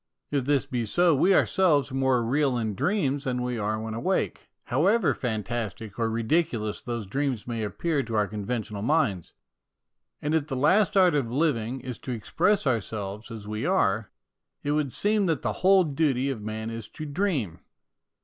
If this be so, we ourselves are more real in dreams than we are when awake, however fantastic or ridiculous those dreams may appear to our conventional minds. And if the last art of living is to express ourselves as we are, it would seem that the whole duty of man is to dream.